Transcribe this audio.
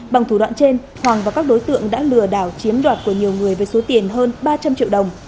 bằng thủ đoạn trên hoàng và các đối tượng đã lừa đảo chiếm đoạt của nhiều người với số tiền hơn ba trăm linh triệu đồng